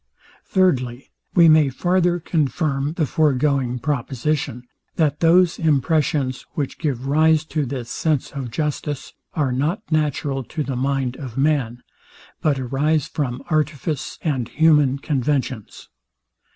Thirdly, we may farther confirm the foregoing proposition, THAT THOSE IMPRESSIONS, WHICH GIVE RISE TO THIS SENSE OF JUSTICE, ARE NOT NATURAL TO THE MIND OF MAN, BUT ARISE FROM ARTIFICE AND HUMAN CONVENTIONS.